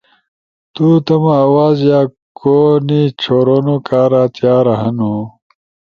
تو تمو آواز یا کون چھورونو کارا تیار ہنو؟